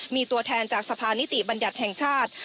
มีตัวแทนจากสภานิติบัญญัติแห่งชาติ